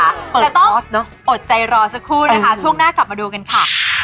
จะต้องอดใจรอสักครู่นะคะช่วงหน้ากลับมาดูกันค่ะ